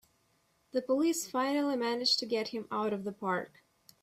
The police finally manage to get him out of the park!